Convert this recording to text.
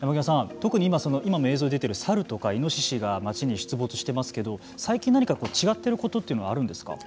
特に今も映像で出ているサルとかイノシシが街に出没していますけど最近、何か違っていることというのはあるんですか。